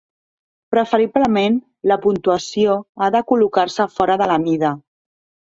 Preferiblement, la puntuació ha de col·locar-se fora de la mida.